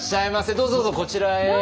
どうぞどうぞこちらへ。